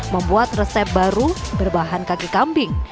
membuat resep baru berbahan kaki kambing